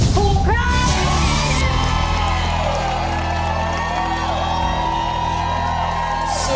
ถูกครับ